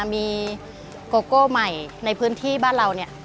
มีโกโก้ใหม่ในพื้นที่บ้านเราเนี่ย